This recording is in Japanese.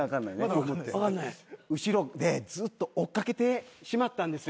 「後ろでずっと追っ掛けてしまったんですよ」